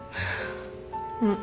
うん。